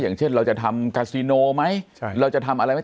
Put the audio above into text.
อย่างเช่นเราจะทำกาซิโนไหมเราจะทำอะไรไหม